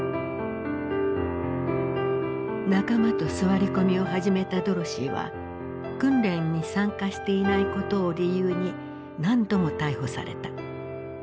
仲間と座り込みを始めたドロシーは訓練に参加していないことを理由に何度も逮捕された。